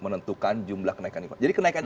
menentukan jumlah kenaikan ekuran jadi kenaikan